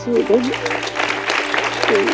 สู้ด้วยมากสู้ด้วย